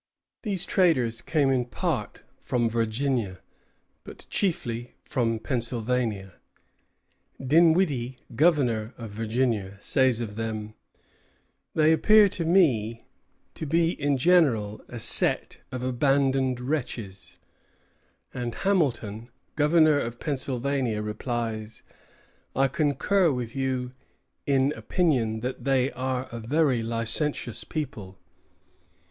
These traders came in part from Virginia, but chiefly from Pennsylvania. Dinwiddie, governor of Virginia, says of them: "They appear to me to be in general a set of abandoned wretches;" and Hamilton, governor of Pennsylvania, replies: "I concur with you in opinion that they are a very licentious people."